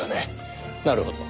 なるほど。